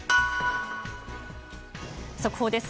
速報です。